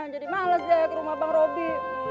jadi males deh ke rumah bang robi